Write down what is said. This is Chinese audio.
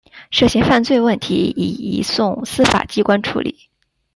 涉嫌犯罪问题已移送司法机关处理。